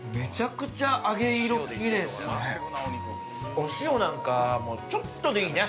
お塩なんか、もうちょっとでいいね。